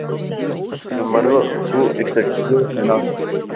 Sin embargo, su exactitud es menor.